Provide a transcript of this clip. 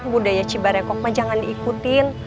budaya cibar ya kok mah jangan diikutin